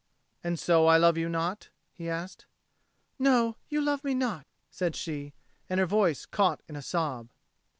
"And so I love you not?" he asked. "No, you love me not," said she; and her voice caught in a sob.